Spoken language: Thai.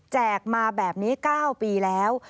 มาแบบนี้๙ปีแล้ว